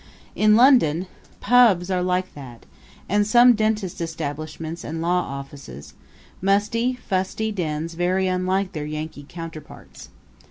In London, pubs are like that, and some dentists' establishments and law offices musty, fusty dens very unlike their Yankee counterparts.